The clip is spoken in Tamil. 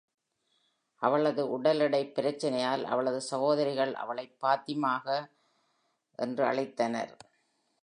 அவளது உடல் எடை பிரச்சனையால் அவளது சகோதரிகள் அவளை பாத்திமாக என்று அழைத்தனர்.